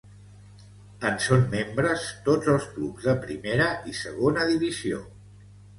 En són membres tots els clubs de Primera i Segona divisió.